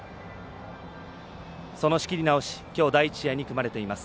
その仕切り直しきょうの第１試合に組まれています。